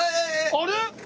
あれ！？